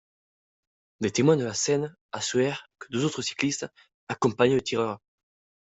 Des témoins de la scène assurèrent que deux autres cyclistes accompagnaient le tireur.